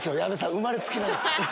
生まれつきなんです。